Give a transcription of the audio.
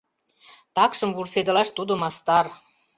Такшым вурседылаш тудо мастар.